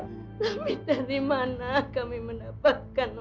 tapi dari mana kami mendapatkan